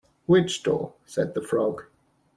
‘Which door?’ said the Frog.